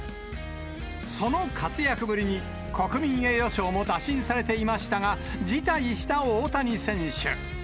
その活躍ぶりに、国民栄誉賞も打診されていましたが、辞退した大谷選手。